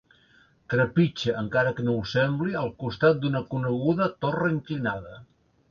Trepitja, encara que no ho sembli, al costat d'una coneguda torre inclinada.